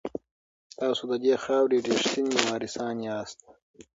تاسو د دې خاورې ریښتیني وارثان یاست.